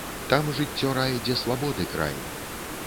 Там жыццё рай, дзе свабоды край!